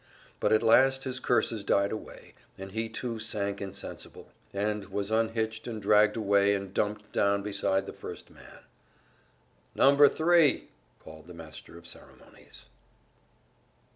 But at last his curses died away, and he too sank insensible, and was unhitched and dragged away and dumped down beside the first man. "Number three!" called the master of ceremonies.